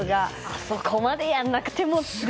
あそこまでやらなくてもっていう。